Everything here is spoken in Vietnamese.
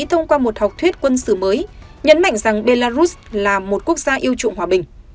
thông qua một học thuyết quân sự mới nhấn mạnh rằng belarus là một quốc gia yêu trụng hòa bình